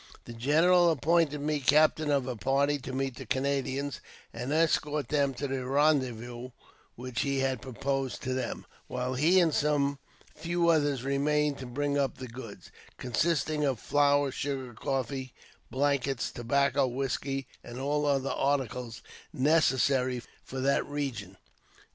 The general appointed me captain of a party to meet the Canadians, and escort them to the ren dezvous which he had proposed to them, while he and some few others remained to bring up the goods, consisting of flour, sugar, coffee, blankets, tobacco, whisky, and all other articles necessary for that region.